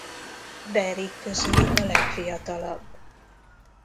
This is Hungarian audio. Derrick közülük a legfiatalabb.